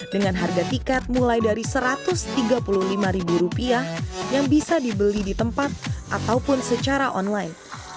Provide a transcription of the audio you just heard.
dengan harga tiket mulai dari rp satu ratus tiga puluh lima yang bisa dibeli di tempat ataupun secara online